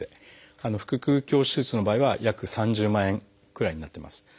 腹くう鏡手術の場合は約３０万円くらいになってます。